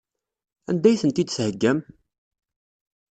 Anda ay tent-id-theyyam?